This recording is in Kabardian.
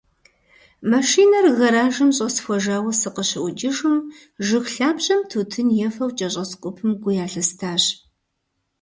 Машинэр гэражым щӏэсхуэжауэ сыкъыщыӏукӏыжым, жыг лъабжьэм тутын ефэу кӏэщӏэс гупым гу ялъыстащ.